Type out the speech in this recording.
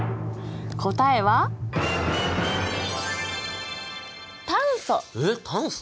答えはえっ炭素？